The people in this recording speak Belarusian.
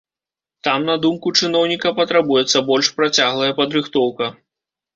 Там, на думку чыноўніка, патрабуецца больш працяглая падрыхтоўка.